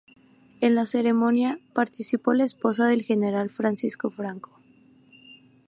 En la ceremonia participó la esposa del general Francisco Franco.